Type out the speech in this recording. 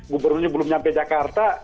gubernurnya belum nyampe jakarta